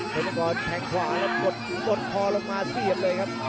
สมกรแข่งขวาแล้วกดคอลงมาเสียบเลยครับ